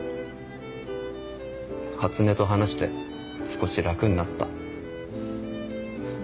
初音と話して少し楽になった。